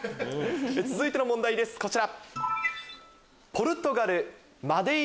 続いての問題ですこちら。